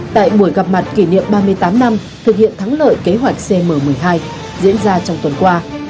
tại buổi gặp mặt kỷ niệm ba mươi tám năm thực hiện thắng lợi kế hoạch cm một mươi hai diễn ra trong tuần qua